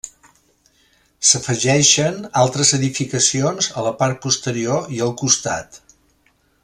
S'afegeixen altres edificacions a la part posterior i al costat.